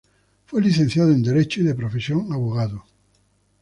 Fue licenciado en Derecho y de profesión abogado.